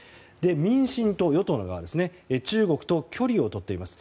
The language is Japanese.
民進党、与党の側は中国と距離を取っています。